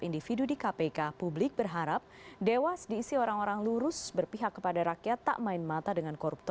ini masih proses berjalan